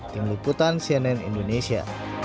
tim liputan cnn indonesia